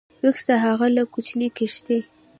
و کس د هغه له کوچنۍ کښتۍ